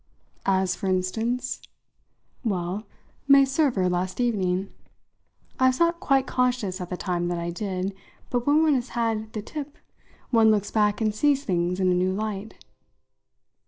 "As for instance?" "Well, May Server last evening. I was not quite conscious at the time that I did, but when one has had the 'tip' one looks back and sees things in a new light."